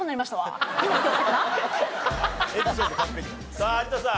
さあ有田さん。